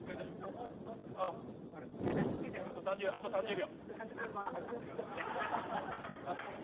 あと３０秒。